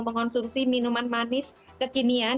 mengonsumsi minuman manis kekinian